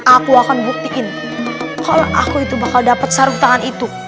aku akan buktiin kalau aku itu bakal dapat sarung tangan itu